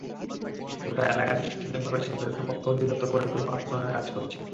গোটা এলাকা দৃষ্টিনন্দন করে সাজাতে স্থাপত্য অধিদপ্তর পরিকল্পনা প্রণয়নের কাজ করছে।